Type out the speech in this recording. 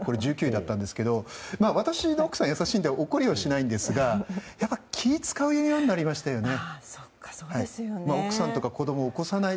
これは１９位だったんですけど私の奥さんは優しいので怒りはしないんですが気を遣うようになりましたね。